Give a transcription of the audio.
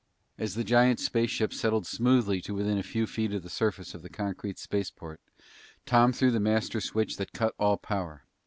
As the giant spaceship settled smoothly to within a few feet of the surface of the concrete spaceport, Tom threw the master switch that cut all power.